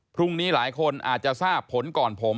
พรุ่งนี้หลายคนอาจจะทราบผลก่อนผม